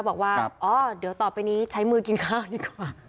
บอกว่าอ๋อเดี๋ยวต่อไปนี้ใช้มือกินข้าวดีกว่า